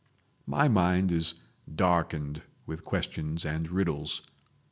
. My mind is darkened with questions and riddles.